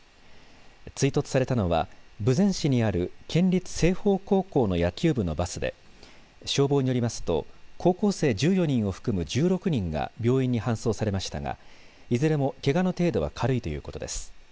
追突されたのは豊前市にある県立青豊高校の野球部のバスで消防によりますと高校生１４人を含む１６人が病院に搬送されましたがいずれもけがの程度は軽いということです。